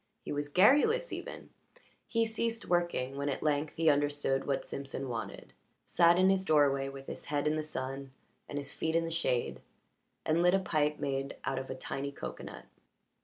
He was garrulous even; he ceased working when at length he understood what Simpson wanted, sat in his doorway with his head in the sun and his feet in the shade, and lit a pipe made out of a tiny cocoanut.